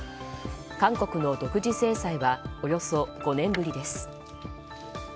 韓国の独自制裁はおよそ５年ぶりです。